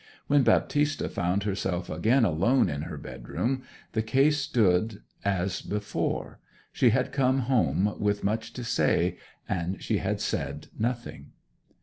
When Baptista found herself again alone in her bedroom the case stood as before: she had come home with much to say, and she had said nothing.